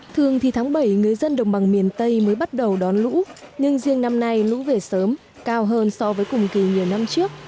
thường thì tháng bảy người dân đồng bằng miền tây mới bắt đầu đón lũ nhưng riêng năm nay lũ về sớm cao hơn so với cùng kỳ nhiều năm trước